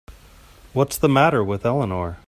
What's the matter with Eleanor?